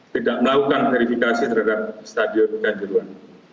tidak melakukan verifikasi terhadap stadion kanjuruan